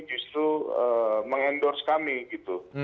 justru mengendorse kami gitu